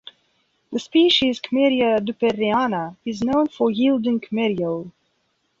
The species "Kmeria duperreana" is known for yielding kmeriol.